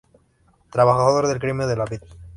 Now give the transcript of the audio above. Trabajador del Gremio de la Vid.